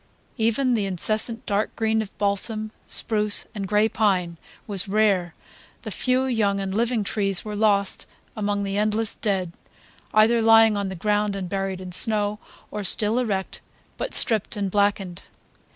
Even the incessant dark green of balsam, spruce and gray pine was rare; the few young and living trees were lost among the endless dead, either lying on the ground and buried in snow, or still erect but stripped and blackened.